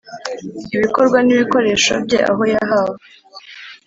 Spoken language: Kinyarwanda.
ibikorwa n ibikoresho bye aho yahawe